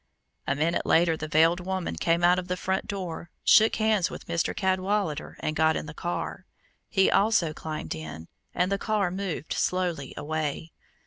A minute later the veiled woman came out of the front door, shook hands with Mr. Cadwallader, and got in the car. He also climbed in, and the car moved slowly away.